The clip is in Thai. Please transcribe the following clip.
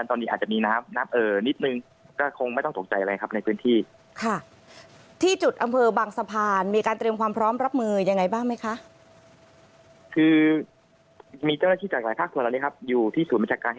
ที่จุดอำเภอวิธีบังสะพานมีการเตรียมพร้อมพร้อมรับมือยังไงบ้างไหมคะ